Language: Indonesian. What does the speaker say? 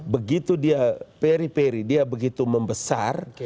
begitu dia peri peri dia begitu membesar